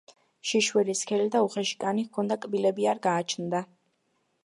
შიშველი, სქელი და უხეში კანი ჰქონდა, კბილები არ გააჩნდა.